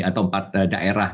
atau empat daerah